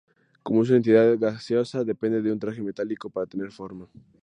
Como es una entidad gaseosa, depende de un traje metálico para tener forma.